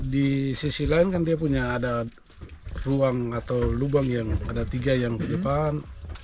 di sisi lain kan dia punya ada ruang atau lubang yang ada tiga yang ke depan